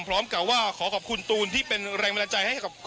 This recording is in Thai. พร้อมกับว่าขอขอบคุณตูนที่เป็นแรงบันดาลใจให้กับคนไทยทั่วประเทศ